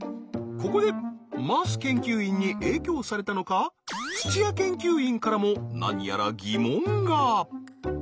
ここで桝研究員に影響されたのか土屋研究員からも何やら疑問が。